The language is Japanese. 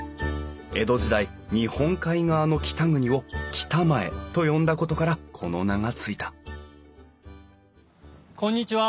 江戸時代日本海側の北国を北前と呼んだことからこの名が付いたこんにちは。